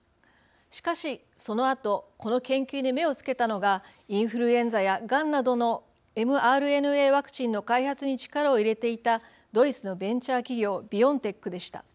しかしそのあとこの研究に目をつけたのがインフルエンザやがんなどのｍＲＮＡワクチンの開発に力を入れていたドイツのベンチャー企業ビオンテックでした。